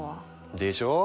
でしょ！